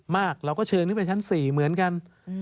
เราก็เชิญขึ้นไปชั้น๔เหมือนกัน